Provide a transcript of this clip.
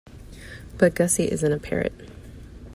But Gussie isn't a parrot.